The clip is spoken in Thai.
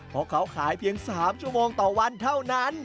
เพราะเขาขายเพียง๓ชั่วโมงต่อวันเท่านั้น